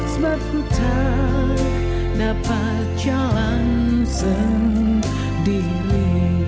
sebab ku tak dapat jalan sendiri